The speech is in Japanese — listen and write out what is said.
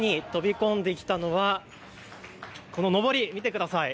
どんと目に飛び込んできたのはこののぼり、見てください。